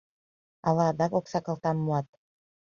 Ала адак оксагалтам муат...